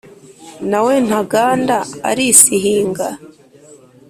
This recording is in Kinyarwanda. Na we Ntaganda arisihinga